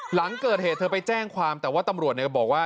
หลังเกิดเหตุเธอไปแจ้งความแต่ว่าตำรวจบอกว่า